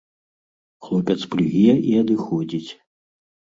Хлопец плюе і адыходзіць.